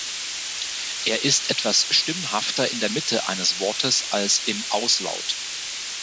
Er ist etwas stimmhafter in der Mitte eines Wortes als im Auslaut.